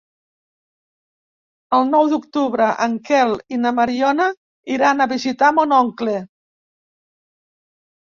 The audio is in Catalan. El nou d'octubre en Quel i na Mariona iran a visitar mon oncle.